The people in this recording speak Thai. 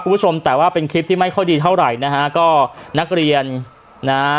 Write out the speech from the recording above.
คุณผู้ชมแต่ว่าเป็นคลิปที่ไม่ค่อยดีเท่าไหร่นะฮะก็นักเรียนนะฮะ